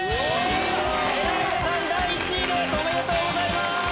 おめでとうございます！